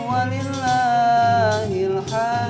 gak usah padam